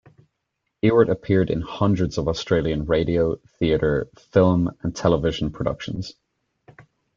Ewart appeared in hundreds of Australian radio, theatre, film and television productions.